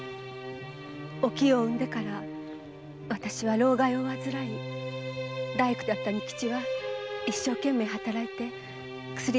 お清を生んでから私は労咳を患い大工だった仁吉は一所懸命働いて薬代を稼いでくれました。